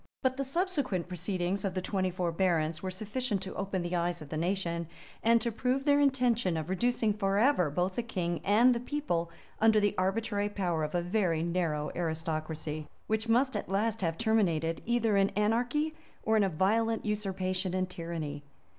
But the subsequent proceedings of the twenty four barons were sufficient to open the eyes of the nation, and to prove their intention of reducing forever both the king and the people under the arbitrary power of a very narrow aristocracy., which must at last have terminated either in anarchy, or in a violent usurpation and tyranny.